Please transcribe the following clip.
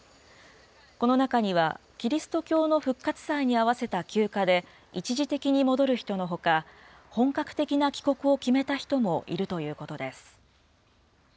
この中には、キリスト教の復活祭に合わせた休暇で一時的に戻る人のほか、本格的な帰国を決めた人もいるということです。